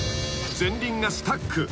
［前輪がスタック。